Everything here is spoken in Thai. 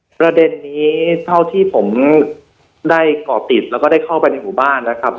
ประเด็นนี้เท่าที่ผมได้ก่อติดแล้วก็ได้เข้าไปในหมู่บ้านนะครับ